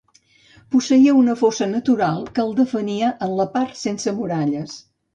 Posseïa una fossa natural que el defenia en la part sense muralles.